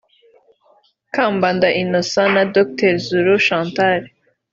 Kambanda Innocent na Dr Zulu Chantal